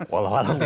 walau alam ya